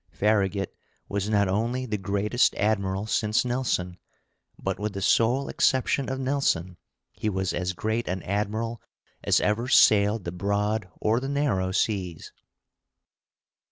Farragut was not only the greatest admiral since Nelson, but, with the sole exception of Nelson, he was as great an admiral as ever sailed the broad or the narrow seas.